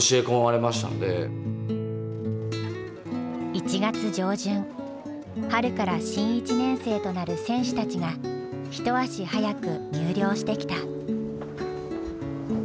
１月上旬春から新１年生となる選手たちが一足早く入寮してきた。